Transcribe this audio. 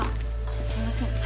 すいません